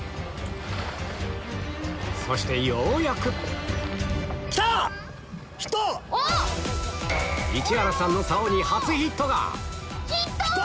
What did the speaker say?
そしてようやく市原さんのさおに初ヒットが！